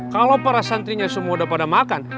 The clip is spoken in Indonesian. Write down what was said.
kalau farah santrinya semua udah pada makan